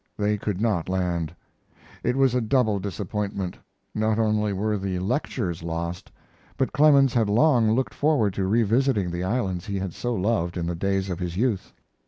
They could not land. It was a double disappointment; not only were the lectures lost, but Clemens had long looked forward to revisiting the islands he had so loved in the days of his youth.